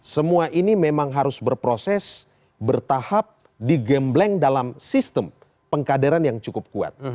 semua ini memang harus berproses bertahap digembleng dalam sistem pengkaderan yang cukup kuat